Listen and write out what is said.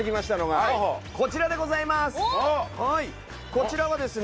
こちらはですね